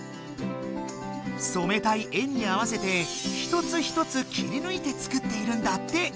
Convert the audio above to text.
染めたい絵に合わせて一つ一つ切りぬいて作っているんだって。